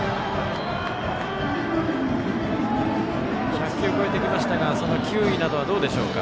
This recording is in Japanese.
１００球を超えてきましたが球威などはどうでしょうか。